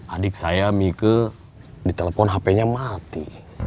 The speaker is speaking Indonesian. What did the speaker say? adik saya mieke ditelepon hpnya mati